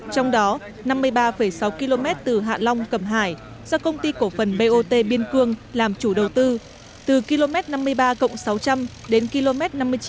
trong đó năm mươi ba sáu km từ hạ long cầm hải do công ty cổ phần bot biên cương làm chủ đầu tư từ km năm mươi ba sáu trăm linh đến km năm mươi chín bốn trăm năm mươi sáu